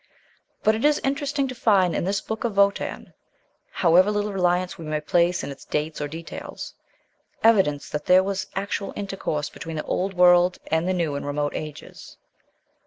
But it is interesting to find in this book of Votan, however little reliance we may place in its dates or details, evidence that there was actual intercourse between the Old World and the New in remote ages.